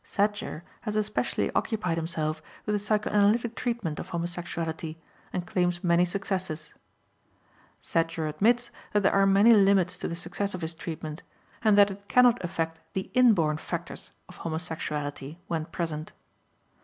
Sadger has especially occupied himself with the psychoanalytic treatment of homosexuality and claims many successes. Sadger admits that there are many limits to the success of this treatment, and that it cannot affect the inborn factors of homosexuality when present.